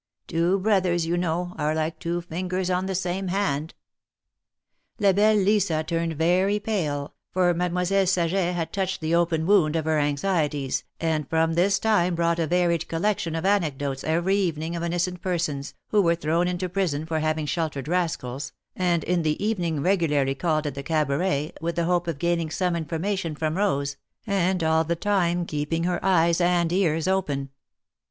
Two brothers, you know, are like two fingers on the same hand." La belle Lisa turned very pale, for Mademoiselle Saget had touched the open wound of her anxieties, and from this time brought a varied collection of anecdotes every evening of innocent persons, who were thrown into prison for having sheltered rascals, and in the evening regularly called at the Cabaret, with the hope of gaining some information from Bose, and all the time keeping her eyes and ears open.